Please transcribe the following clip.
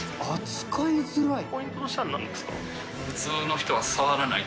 扱いづらい？